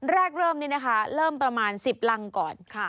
เริ่มนี่นะคะเริ่มประมาณ๑๐รังก่อน